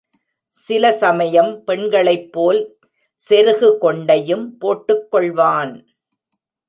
சில சமயம் பெண்களைப்போல் செருகு கொண்டையும் போட்டுக்கொள்வான்.